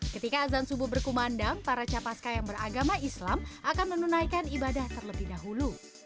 ketika azan subuh berkumandang para capaska yang beragama islam akan menunaikan ibadah terlebih dahulu